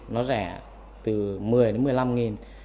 nó rẻ từ một mươi đến một mươi năm nghìn